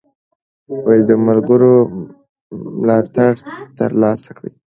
د ملګرو ملاتړ ترلاسه کړئ.